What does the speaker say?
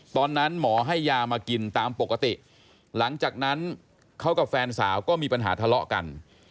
ตอนนั้นหมอให้ยามากินตามปกติหลังจากนั้นเขากับแฟนสาวก็มีปัญหาทะเลาะกัน